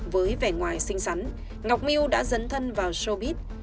với vẻ ngoài xinh xắn ngọc miu đã dấn thân vào showbiz